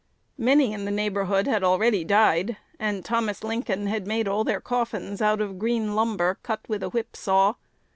Many in the neighborhood had already died, and Thomas Lincoln had made all their coffins out of "green lumber cut with a whip saw."